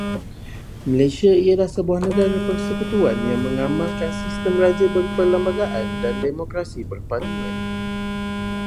Malaysia ialah sebuah negara persekutuan yang mengamalkan sistem Raja Berperlembagaan dan Demokrasi Berparlimen.